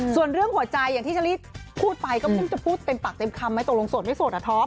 ส่วนเรื่องหัวใจอย่างที่เชอรี่พูดไปก็เพิ่งจะพูดเต็มปากเต็มคำไหมตกลงโสดไม่โสดอ่ะท้อง